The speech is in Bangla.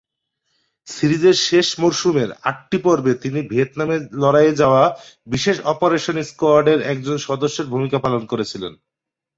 সিরিজের শেষ মরসুমের আটটি পর্বে তিনি ভিয়েতনামে লড়াইয়ে যাওয়া বিশেষ অপারেশন স্কোয়াডের একজন সদস্যের ভূমিকা পালন করেছিলেন।